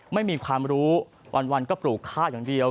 ไม่มีความรู้วันก็ปลูกข้าวอย่างเดียว